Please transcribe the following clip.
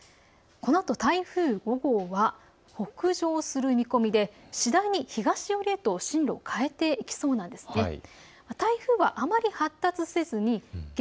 このあと台風５号は北上する見込みで次第に東寄りへと進路を変えていきそうなんです。